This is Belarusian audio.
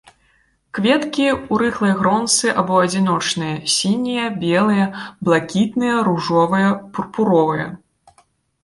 Кветкі ў рыхлай гронцы або адзіночныя, сінія, белыя, блакітныя, ружовыя, пурпуровыя.